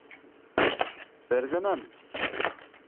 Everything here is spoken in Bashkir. Фәрзәнәме?